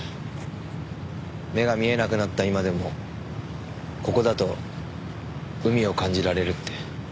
目が見えなくなった今でもここだと海を感じられるって。